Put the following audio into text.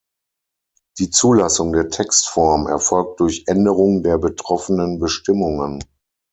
Die Zulassung der Textform erfolgt durch Änderung der betroffenen Bestimmungen.